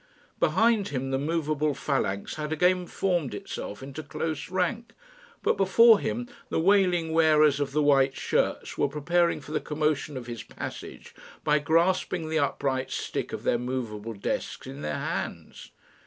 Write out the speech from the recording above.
Behind him the movable phalanx had again formed itself into close rank, but before him the wailing wearers of the white shirts were preparing for the commotion of his passage by grasping the upright stick of their movable desks in their hands.